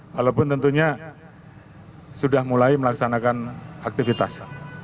walaupun tentunya sudah mulai melaksanakan aktivitas